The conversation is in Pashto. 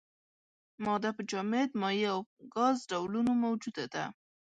ماده په جامد، مایع او ګاز ډولونو موجوده ده.